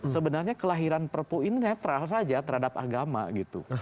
sebenarnya kelahiran perpu ini netral saja terhadap agama gitu